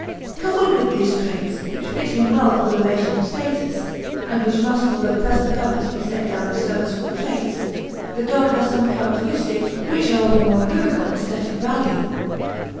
Coupled with these traits, which fit him well for the relation of status and which must for the present purpose be set down as serviceable traits the dog has some characteristics which are of a more equivocal aesthetic value.